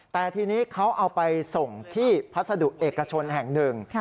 แต่ทีนี้เขาเอาไปส่งที่พัสดุเอกชนแห่งหนึ่ง